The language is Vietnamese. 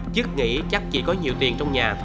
chức nghĩ chắc chỉ có nhiều tiền trong nhà